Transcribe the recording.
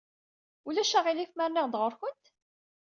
Ulac aɣilif ma rniɣ-d ɣer-went?